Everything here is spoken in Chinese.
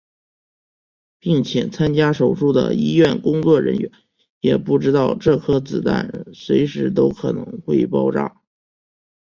并且参加手术的医院工作人员也不知道这颗子弹随时都可能会爆炸。